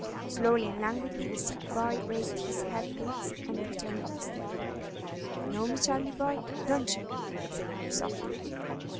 Slowly and languidly the sick boy raised his heavy lids and returned the stare. "You know me, Charley, boy, don't you?" said he, softly.